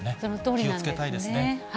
気をつけたいですね。